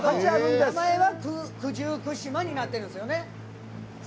名前は九十九島になってるんですね。